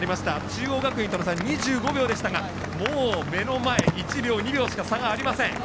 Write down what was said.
中央学院との差２５秒でしたがもう目の前１秒、２秒しか差がありません。